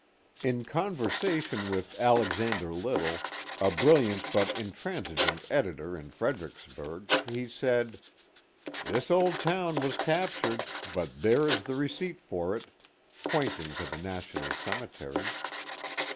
In conversation with Alexander Little, a brilliant but intransigeant editor in Fredericksburg, he said, " This old town was captured, but there is the receipt for it," — pointing to the National Ceme tery.